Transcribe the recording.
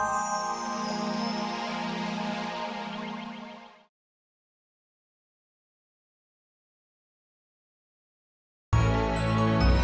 untung puan priscilla abis don delano terhaya